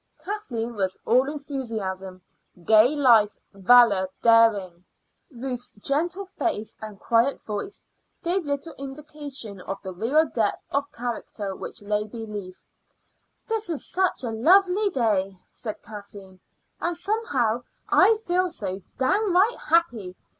Kathleen was all enthusiasm, gay life, valor, daring; Ruth's gentle face and quiet voice gave little indication of the real depth of character which lay beneath. "This is such a lovely day," said Kathleen, "and somehow I feel so downright happy.